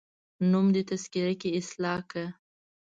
نوم دي تذکره کي اصلاح کړه